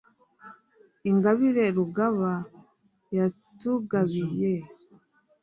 Ingabire Rugaba yatugabiye!